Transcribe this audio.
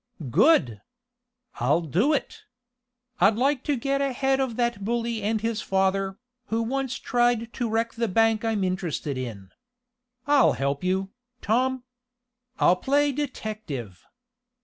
"Good! I'll do it! I'd like to get ahead of that bully and his father, who once tried to wreck the bank I'm interested in. I'll help you, Tom! I'll play detective!